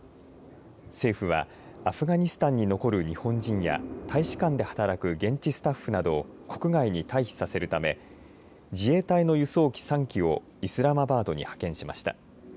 政府はアフガニスタンに残る日本人や大使館で働く現地スタッフなどを国外に退避させるため自衛隊の輸送機３機をイスラマバードに派遣しました。